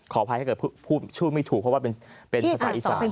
อภัยถ้าเกิดพูดชื่อไม่ถูกเพราะว่าเป็นภาษาอีสาน